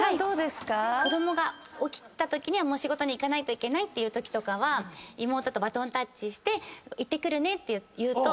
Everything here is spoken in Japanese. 子供が起きたときには仕事に行かないといけないときとかは妹とバトンタッチして行ってくるねって言うと。